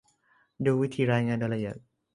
ดูวิธีรายงานโดยละเอียด